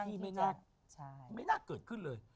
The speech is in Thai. ปีนี้เหตุการณ์ที่ไม่น่าเกิดขึ้นเลย